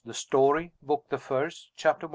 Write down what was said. THE STORY. BOOK THE FIRST. CHAPTER I.